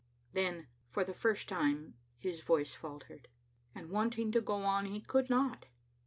*" Then, for the first time, his voice faltered, and want ing to go on he could not.